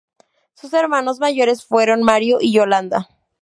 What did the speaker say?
Sus hermanos mayores fueron Mario y Yolanda.